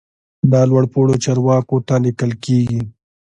دا لوړ پوړو چارواکو ته لیکل کیږي.